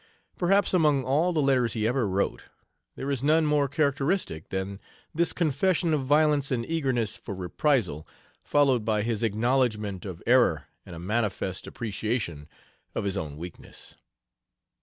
Perhaps among all the letters he ever wrote, there is none more characteristic than this confession of violence and eagerness for reprisal, followed by his acknowledgment of error and a manifest appreciation of his own weakness.